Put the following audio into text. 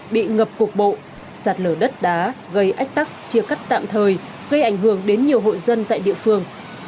bị ngập cục bộ sạt lở đất đá gây ách tắc chia cắt tạm thời gây ảnh hưởng đến nhiều hộ dân tại địa phương